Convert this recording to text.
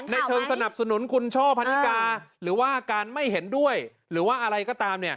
ในเชิงสนับสนุนคุณช่อพันธิกาหรือว่าการไม่เห็นด้วยหรือว่าอะไรก็ตาม